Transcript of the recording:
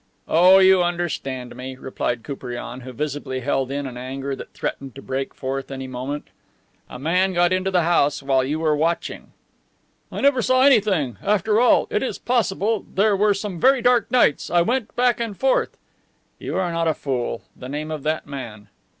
"Oh, you understand me," replied Koupriane, who visibly held in an anger that threatened to break forth any moment. "A man got into the house while you were watching..." "I never saw anything. After all, it is possible. There were some very dark nights. I went back and forth." "You are not a fool. The name of that man."